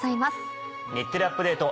『日テレアップＤａｔｅ！』